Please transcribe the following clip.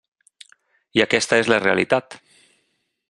I aquesta és la realitat.